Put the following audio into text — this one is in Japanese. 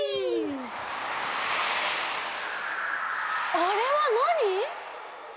あれはなに？